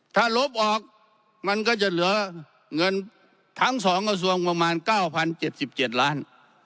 ถ้าลบออกมันก็จะเหลือเงินทั้ง๒กระทรวงประมาณ๙๐๗๗ล้าน